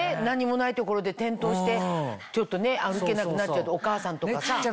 何もないところで転倒してちょっと歩けなくなっちゃってお母さんとかさ。